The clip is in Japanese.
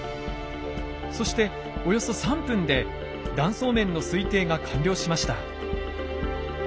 そしておよそ３分で断層面の推定が完了しました。